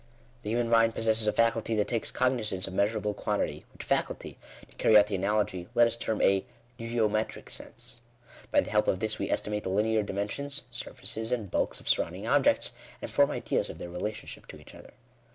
The human mind possesses a faculty that takes cog nizance of measurable quantity, which faculty, to carry out the analogy, let us term a geometric sense. By the help of this we estimate the linear dimensions, surfaces, and bulks of sur rounding objects, and form ideas of their relationship to each other.